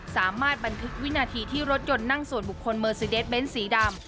สามารถบันทึกวิณาทีที่รถยนต์นั่งสวนบุคคลเบนท์บันสีดำ